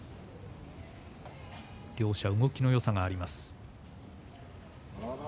両者、動きのよさがあります。